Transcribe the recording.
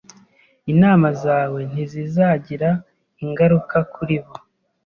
Inama zawe ntizizagira ingaruka kuri bo.